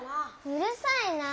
うるさいな。